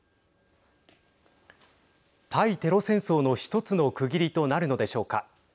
対テロ戦争の一つの区切りとなるのでしょうか。